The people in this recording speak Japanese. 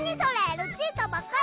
ルチータばっかり！